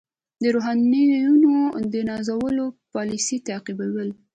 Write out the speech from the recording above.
د روحانیونو د نازولو پالیسي تعقیبول.